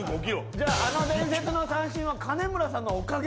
じゃあの伝説の三振は金村さんのおかげ？